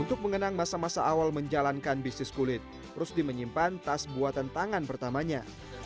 untuk mengenang masa masa awal menjalankan bisnis kulit rusdi menyimpan tas buatan tangan pertamanya